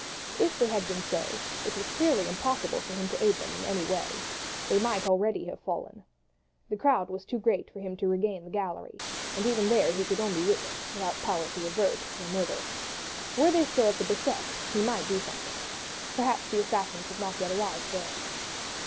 If they had been so, it was clearly impossible for him to aid them in any way. They might already have fallen. The crowd was too great for him to regain the gallery, and even there could only witness, without power to avert, their murder. Were they still at the Bicetre he might do something. Perhaps the assassins had not yet arrived there.